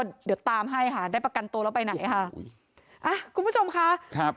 เดี๋ยวตามให้ค่ะได้ประกันตัวแล้วไปไหนค่ะอ่ะคุณผู้ชมค่ะครับ